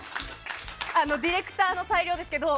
ディレクターの裁量ですけど。